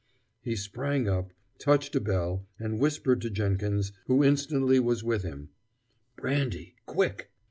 He sprang up, touched a bell, and whispered to Jenkins, who instantly was with him: "Brandy quick."